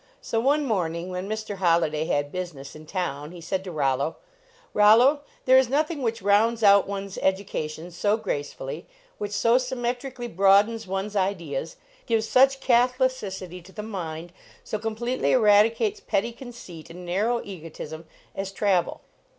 So one morning, when Mr. Holliday had business in town, he said to Rollo :" Rollo, there is noth ing which rounds out one s education so gracefully, which so symmetrically broadens one s ideas, gives such catholicity to the mind, so completely eradicates petty conceit and narrow egotism, as travel.